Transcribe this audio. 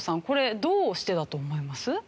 これどうしてだと思います？